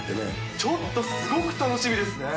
ちょっとすごく楽しみですね。